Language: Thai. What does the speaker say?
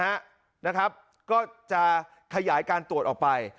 จำนวนน้อยลงนะครับก็จะขยายการตรวจออกไป